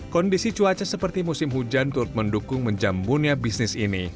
kondisi cuaca seperti musim hujan turut mendukung menjambunya bisnis ini